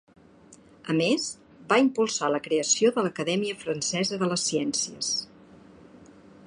A més, va impulsar la creació de l'Acadèmia Francesa de les Ciències.